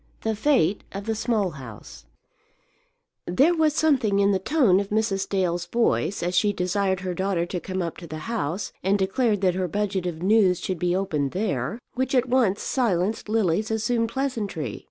THE FATE OF THE SMALL HOUSE. [ILLUSTRATION: (untitled)] There was something in the tone of Mrs. Dale's voice, as she desired her daughter to come up to the house, and declared that her budget of news should be opened there, which at once silenced Lily's assumed pleasantry.